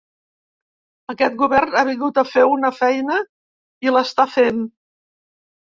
Aquest govern ha vingut a fer una feina i l’està fent.